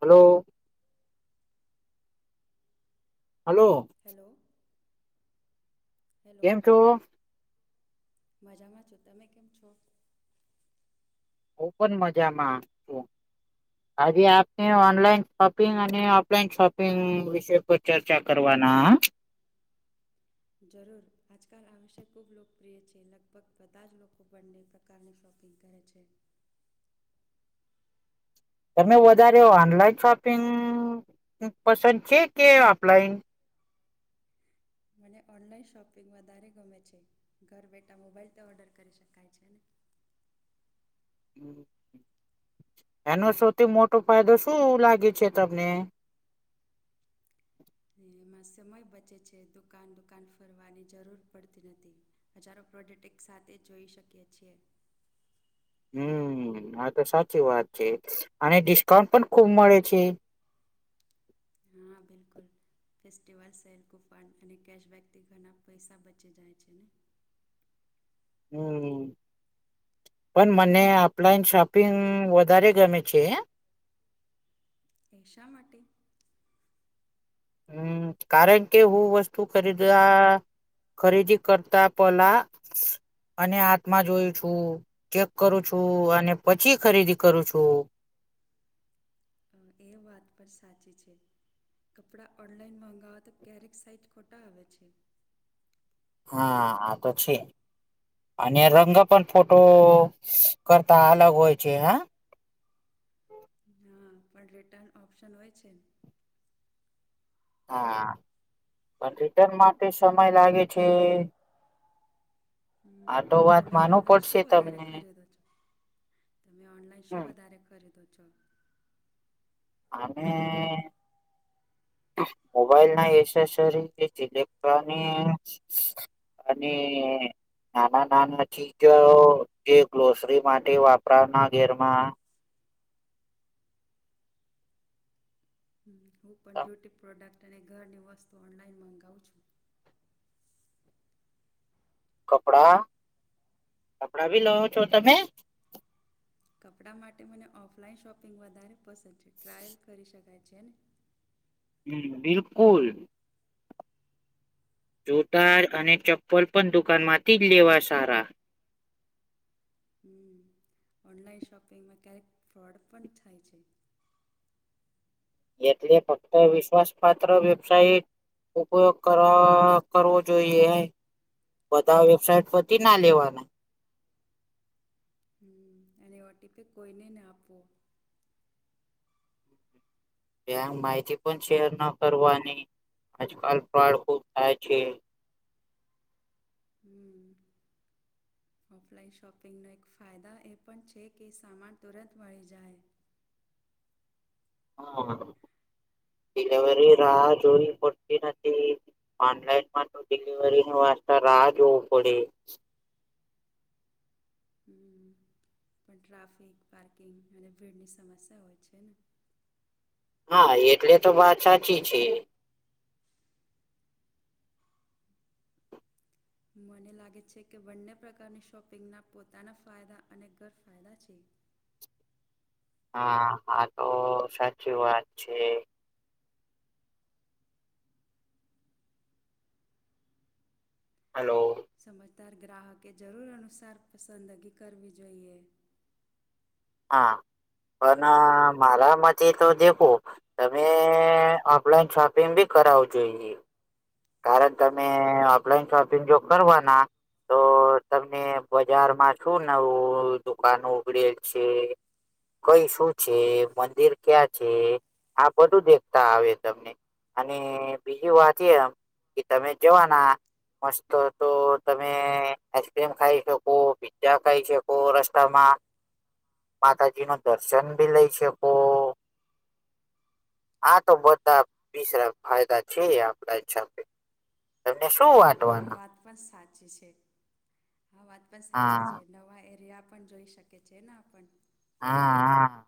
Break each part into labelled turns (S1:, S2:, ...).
S1: Hello હલોલો
S2: hello hello
S1: કેમ છો
S2: મજામાં છો તમે કેમ છો
S1: ઓ પણ મજામાં છું આજે આપને ઓનલાઈન શોપિંગ અને ઓફલાઈન શોપિંગ વિષ પર ચર્ચા કરવાના.
S2: જરૂર આજકાલ આ વિષય ખૂબ લોકપ્રિય છે લગભગ બધા જ લોકો બંને પ્રકારની શોપિંગ કહે છે.
S1: તમે વધારે ઓનલાઈન શોપિંગ પસંદ છે કે ઓફલાઈન
S2: મને ઓનલાઈન શોપિંગ વધારે ગમે છે ઘર બેઠા મોબાઈલ તે ઓર્ડર કરી શકાય છે ને
S1: એનો સૌથી મોટો ફાયદો શું લાગે છે તમને
S2: એમાં સમય બચે છે દુકાન દુકાન ફરવાની જરૂર પડતી નથી. હજારો પ્રોડેક્ટ એક સાથે જોઈ શકીએ છીએ.
S1: હમ આ તો સાચી વાત છે અને ડિસ્કાઉન્ટ પણ ખુબ મળે છે.
S2: હા બિલકુલ ફેસ્ટિવલ સેલ કૂફાં અને કૅશબેકથી ઘણા પૈસા બચી જાય છે ને
S1: હમ પણ મને ઓફલાઈન શોપિંગ વધારે ગમે છે.
S2: એ શા માટે
S1: હમ કારણ કે હું વસ્તુ ખરીદવા ખરીદી કરતા પલા અને હાથમાં જોયું છું ચેક કરું છું અને પછી ખરીદી કરું છું
S2: એ વાત પણ સાચી છે કપડાં ઓનલાઈન મગાવવા તો ક્યારેક સાઈજ ખોટા આવે છે
S1: હા હા તો છે અને રંગ પણ ફોટો કરતા અલગ હોય છે હા
S2: હા પણ રિટર્ન ઓપ્શન હોય છેને
S1: હા પણ રિટર્ન માટે સમય લાગે છે
S2: હમ
S1: આ તો વાત
S2: તમે
S1: માનવું
S2: ઓનલાઈન
S1: પડશે
S2: શું વધારે
S1: તમને
S2: ખરીદો છો તમે ઓનલાઈન શું
S1: હમ
S2: વધારે ખરીદો છો
S1: અને મોબાઈલ ના એસેસરી અને નાના નાના ચીજો જે ગ્રોસરી માટે વાપરાના ઘેરમાં
S2: હું પણ બ્યુટી પ્રોડક્ટ અને ઘરની વસ્તુ ઓઑનલાઈન મગાવું છું
S1: કપડા કપડા ભી લવો છો તમે
S2: કપડાં માટે મને ઓફલાઈન શોપિંગ વધારે પસંદ છે ટ્રાયલ કરી શકાય છે ને
S1: હમ બિલકુલ જોતા અને ચપલ પણ દુકાન માંથી જ લેવા સારા
S2: હમ ઓનલાઈન શોપિંગમાં ક્યારેક ફ્રોડ પણ થાય છે
S1: એટલે ફક્ત વિશ્વાસ પાત્ર વેબસાઇટ ઉપયોગ કર કરવો જોઈએ બધા વેબસાઇટ પરથી ના લેવાના
S2: હ અને ઓટીપી કોઈને ના આપવો
S1: ક માહિતી પણ શેર ન કરવાની આજકાલ પ્રડ ખુબ થાય છે
S2: હમ ઓફલાઈન શોપિંગનો એક ફાયદા એ પણ છે કે સામાન તુરંત મળી જાય
S1: હમલિવરી રાહ જોવી પડતી નથી ઓનલાઈન માં તો ડિલિવરી ન વાસ્તા રાહ જોવું પડે
S2: હમ પણ ટ્રાફિક પાર્કિંગ અને ભીડની સમસ્યા હોય છે ને
S1: હા એટલે તો વાત સાચી છે
S2: મને લાગે છે કે બંને પ્રકારની શોપિંગના પોતાના ફાયદા અને ગેરફાયદા છે
S1: હા હા તો સાચી વાત છે હલો
S2: સમજદાર ગ્રાહકે જરૂર અનુસાર પસંદગી કરવી જોઈએ
S1: હા પણ મારા મ તો દેખું તમે ઓફલાઈન શોપિંગ ભી કરાવું જોઈએ કારણ તમે ઓફલાઈન શોપિંગ જો કરવાના તો તમને બજારમાં શું નવું દુકાાન ઉગડેલ છે કઈ શું છે મંદિર ક્યાં છે આ બધું દેખતા આવે તમને અને બીજી વાત એ કે તમે જવાના મસ્ત તો તમે આઈસ્ક્રીમ ખાઈ શકો જ્યા કઈ છે કો રસ્તામાં માતાજી ન દર્શન ભી લઈ શકો આ તો બધા બસરા ફાયદા છે આપડા તમને શું
S2: હા આ
S1: વાટવાના
S2: વાત પણ સાચી છે આ વાત પણ સાચી
S1: હા
S2: છે નવા એરિયા પણ જોઈ શકે છે ને આપણ
S1: હા હા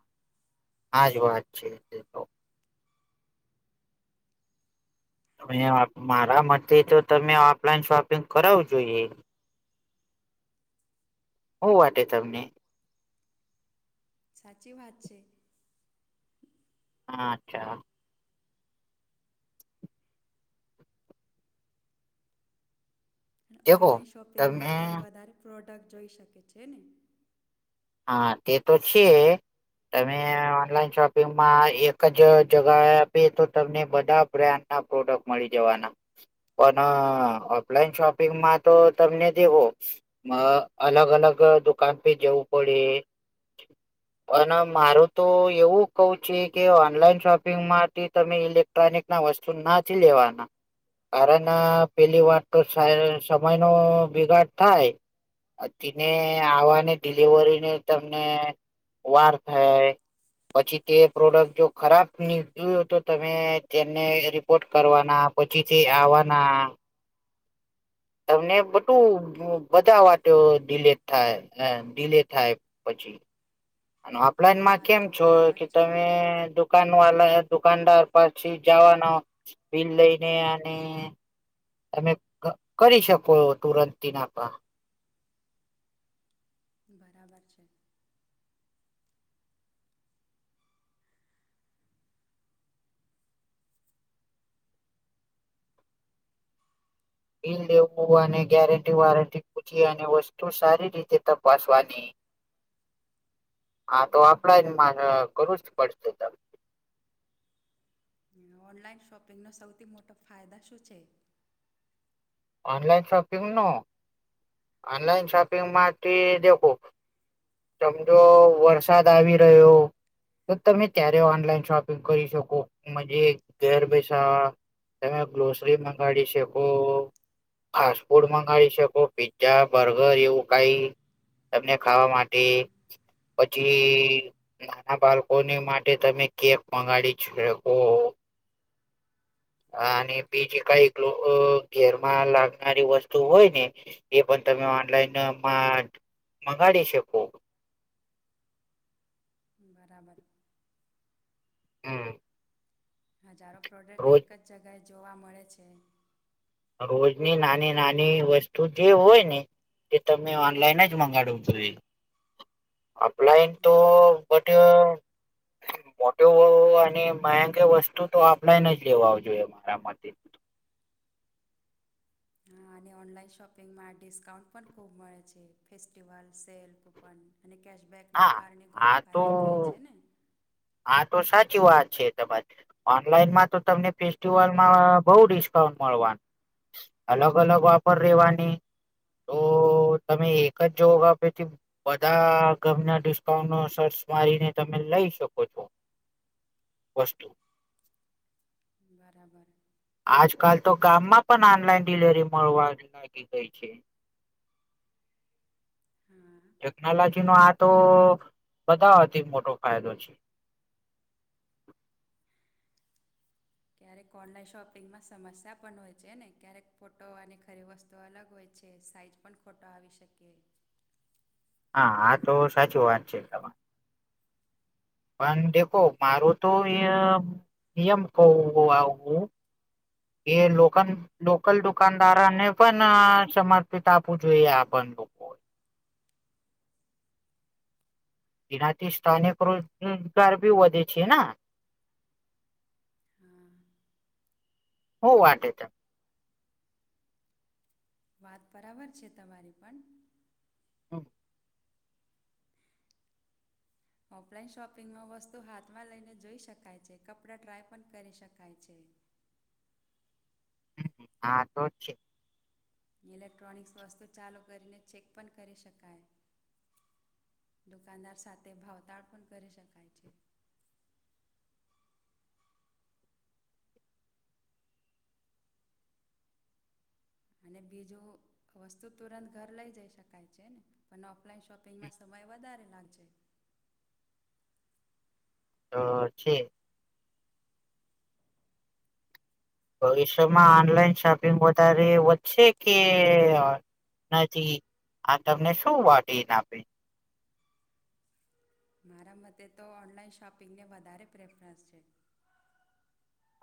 S1: આજ વાત છે તો મારા માટે તો તમે ઓફલાઈન શોપિંગ કરાવું જોઈએ હું વાટે તમને
S2: સાચી વાત છે
S1: હા અચ્છા
S2: અને
S1: દેખો
S2: ઓઑનલાઈન શોપિંગમાં પણ
S1: તમે
S2: વધારે પ્રોડક્ટ જોઈ શકે છે ને
S1: હા તે તો છે તમે આ ઓનલાઈન શોપિંગમાં એક જ જગા એ આપી તો તમને બધા બ્રાન્ડ ના પ્રોડક્ટ મળી જવાના પણ આ ઓફલાઈન શોપિંગમાં તો તમને જેવો અ અલગ અલગ દુકાન પે જવું પડે અને મારું તો એવું કેવું છે કે ઓનલાઈન શોપિંગ માટે દરેક ના વસ્તુ નથી લેવાના અને ના પેલી વાર તો સમય નો બિગાડ થાય અને તેને આવાની ડિલિવરીને તમને વાર થાય પછી તે પ્રોડક્ટ જો ખરાબ નીકળું તો તમે તેમને રિપોર્ટ કરવાના પછીથી આવવાના તમને બધું બધા વાટે ડીલેટ થાય ડીલે થાય પછી
S2: આ
S1: ઓફલાઈનમાં
S2: વાત
S1: કેમ
S2: તો
S1: છો
S2: બરાબર
S1: કે
S2: છે
S1: તમે દુકાન વાલા દુકાનદાર પછી જવાનો બિલ લઈને અને અને કરી શકો તુરંતતી નાખવા
S2: બરાબર છે.
S1: બિલ લેવું અને ગેરંટી વારંટી પૂછી અને વસ્તુ સારી રીતે તપાસવાની હા તો આપડા જ માથે કરું જ પડશે
S2: ને ઓનલાઈન શોપિંગનો સૌથી મોટો ફાયદા શું છે
S1: ઓનલાઈન શોપિંગ નો ઓનલાઈન શોપિંગ માટે દેખો સમજો વરસાદ આવી રહ્યો તો તમે ત્યારે ઓનલાઈન શોપિંગ કરી શકો મજે ઘેર બેઠા તમે ગ્રોસરી મંગાડી શકો ફાસ્ટ ફૂડ મંગાડી શકો પીઝા બર્ગર એવું કાઈ તમને ખાવા માટે
S2: હમ્મ.
S1: પછી નાના બાળકો ને માટે તમે કેક મગાડી શકો અને બીજી કઈક લોકો ઘેરમાં લાવનારી વસ્તુ હોય ને એ પણ તમે ઓનલાઈન માં મંગાડી શકો
S2: બરાબર
S1: હમ્મ.
S2: હજારો પ્રોડક્ટ એક જ જગ્યાએ જોવા મળે છે.
S1: રોજની નાની નાની વસ્તુ જે હોય ને કે તમે ઓનલાઈન જ મંગાડવું જોઈએ. ઓફલાઇન તો બધે મોટો અને ભયંકર વસ્તુ તો ઓફલાઇન જ લેવા આવજો એ મારા માટે
S2: હા અને ઓનલાઈન શોપિંગમાં ડિસ્કાઉન્ટ પણ ખૂબ મળે છે ફેસ્ટિવલ સેલ પર અને કેશબેકના
S1: હા
S2: કારણે ઘણો
S1: તો
S2: ફાયદો થાય છે ને
S1: હા તો સાચી વાત છે તમારી ઓનલાઈનમાં તો તમને ફેસ્ટિવલમાં બઉં ડિસ્કાઉન્ટ મળવાનુ અલગ અલગ ઓફર રેવાની તો તો તમે એક જ જોગા પરથી બધા ગામના ડિસ્કાઉન્ટ નો સર્ચ મારીને તમે લઈ શકો. ઓછું વસ્તુ
S2: બરાબર
S1: આજકાલ તો ગામમાં પણ ઓનલાઈન ડિલીવરી મળવા ની લાગી ગઈ છે
S2: હા હા.
S1: ટેકનોલોજી નો આ તો બધાવાથી મોટો ફાયદો છે.
S2: ક્યારેક ઓનલાઈન શોપિંગમાં સમસ્યા પણ હોય છે ને ક્યારેક ફોટો અને ખરી વસ્તુઓ અલગ હોય છે સાઈઝ પણ ખોટા આવી શકે
S1: હા આ તો સાચી વાત છે તમારી પણ દેખો મારું તો એ નિયમ કઉ આવું એ લોકન લોકલ દુકાનદારોને પણ સમર્પિત આપવું જોઈએ આ પણ તો એનાથી સ્થાનિક રોજગાર ભી વધે છે ને
S2: હા.
S1: હું વાટે છે.
S2: વાત બરાબર છે તમારી પણ
S1: શું
S2: ઓફલાઈન શોપિંગમાં વસ્તુ હાથમાં લઈને જઈ શકાય છે કપડા ટ્રાય પણ કરી શકાય છે
S1: હા તો છે.
S2: ઇલેક્ટ્રોનિક્સ વસ્તુ ચાલુ કરીને ચેક પણ કરી શકાય. દુકાનદાર સાથે ભાવતાળ પણ કરી શકાય છે. અને બીજુ વસ્તુ તુરંત ઘર લઈ જઈ શકાય છે ને પણ ઓફલાઈન શોપિંગમાં સમય વધારે લાગશે
S1: અ છે. ભવિષ્યમાં ઓનલાઈન શોપિંગ વધારે વધશે કે નથી આ તમને શું વાટીન આપે.
S2: મારા મતે તો ઓનલાઈન શોપિંગને વધારે પ્રેફરન્સ છે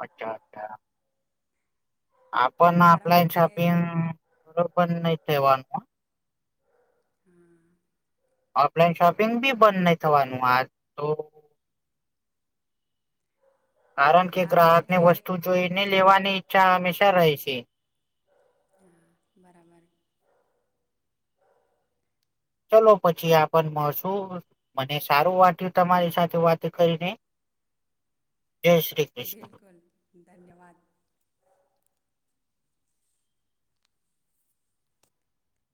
S1: અચ્છા અચ્છા આપણ
S2: તારા
S1: ઓફલાઈન
S2: મતે
S1: શોપિંગ બરોબર નહી થવાનું
S2: હમ
S1: ઓફલાઈન શોપિંગ બી બંધ નહી થવાનું આ તો
S2: તો
S1: કારણ કે
S2: તારા
S1: ગ્રાહક
S2: મતે
S1: ને વસ્તુ જોઈ ને લેવાની ઈચ્છા હંમેશા રહે છે
S2: હા બરાબર
S1: ચલો પછી આપને મળશું મને સારું વાટ્યું તમારી સાથે વાત કરીને જય શ્રી કૃષ્ણ.
S2: બિલકુલ ધન્યવાદ